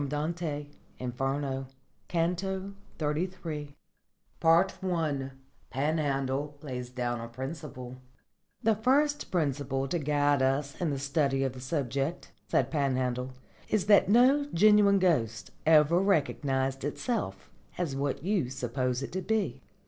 '" DANTE, Inferno, Canto xxxiii. I PANHANDLE LAYS DOWN A PRINCIPLE "The first principle to guide us in the study of the subject," said Panhandle, "is that no genuine ghost ever recognised itself as what you suppose it to be.